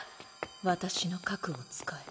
私の核を使え。